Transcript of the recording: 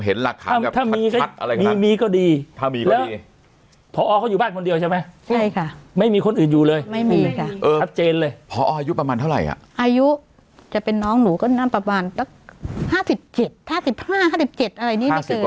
เห็นราคามีก็มีก็ดีแล้วจะมีก็ดีพ่อออก็อยู่บ้านคนเดียว